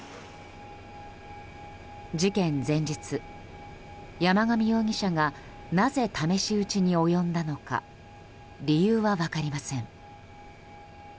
事件前日、山上容疑者がなぜ試し撃ちに及んだのか理由は分かりません。